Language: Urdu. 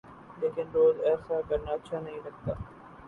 لیکن روز ایسا کرنا اچھا نہیں لگتا۔